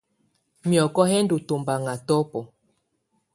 Miɔkɔ yɛ ndɔ tɔmbaŋa tɔbɔ.